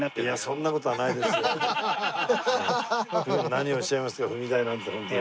何をおっしゃいますか踏み台なんてホントに。